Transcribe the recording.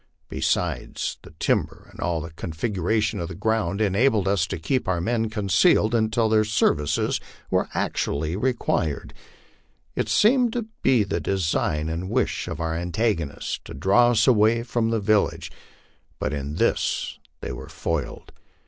Besides, the timber and the configuration of the ground enabled us to keep our men concealed until their services were actually required. It seemed to be the design and wish of our antagonists to draw us away from tho village ; but in this they were foiled.